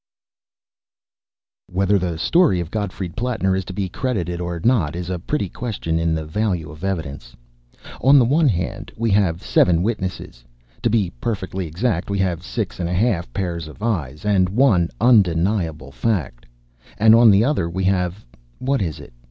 Whether the story of Gottfried Plattner is to be credited or not is a pretty question in the value of evidence. On the one hand, we have seven witnesses to be perfectly exact, we have six and a half pairs of eyes, and one undeniable fact; and on the other we have what is it?